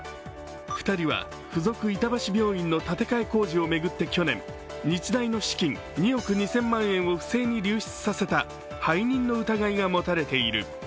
２人は附属板橋病院の立て替え工事を巡って去年、日大の資金２億２０００万円を不正に流出させた背任の疑いが持たれている。